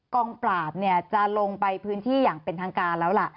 กองปราบจะลงไปพื้นที่อย่างเป็นทางการแล้วล่ะ